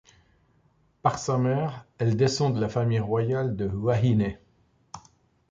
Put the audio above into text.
Par sa mère, elle descend de la famille royale de Huahine.